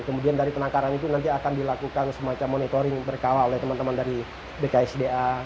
kemudian dari penangkaran itu nanti akan dilakukan semacam monitoring berkawal oleh teman teman dari bksda